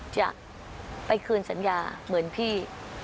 จะไปคืนสัญญาเหมือนพี่